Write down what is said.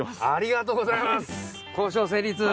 ありがとうございます交渉成立。